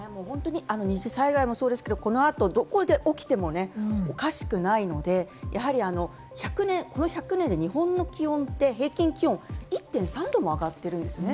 本当に二次災害もそうですけれども、どこで起きてもおかしくないので、やはりこの１００年で日本の気温って平均気温が１．３度も上がっているんですね。